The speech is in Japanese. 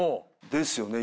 ですよね。